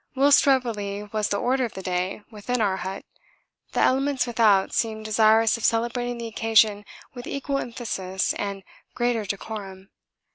Whilst revelry was the order of the day within our hut, the elements without seemed desirous of celebrating the occasion with equal emphasis and greater decorum.